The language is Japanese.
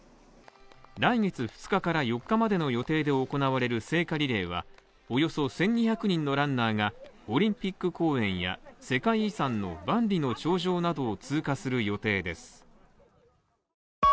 来月２日から４日までの予定で行われる聖火リレーは、およそ１２００人のランナーがオリンピック公園や世界遺産の万里の長城などを通過する予定です。